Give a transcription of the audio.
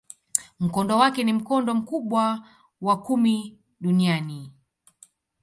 Mkondo wake ni mkondo mkubwa wa kumi duniani.